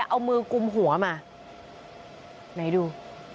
เอามือกุมหัวมาไหนดู